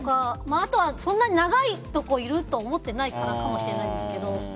あとはそんなに長いところにいると思ってないからかもしれないんですけど。